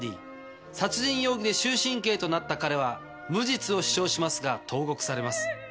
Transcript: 殺人容疑で終身刑となった彼は無実を主張しますが投獄されます。